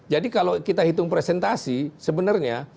jadi kalau kita hitung presentasi sebenarnya